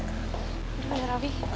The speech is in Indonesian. udah ada wifi